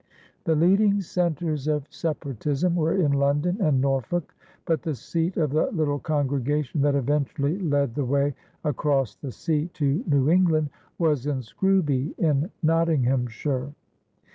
The leading centers of Separatism were in London and Norfolk, but the seat of the little congregation that eventually led the way across the sea to New England was in Scrooby in Nottinghamshire.